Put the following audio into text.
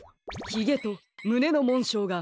ひげとむねのもんしょうが